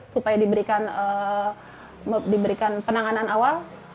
supaya diberikan penanganan awal